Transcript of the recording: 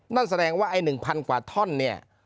นั่นแสดงว่าไอ้๑๐๐กว่าท่อนเนี่ย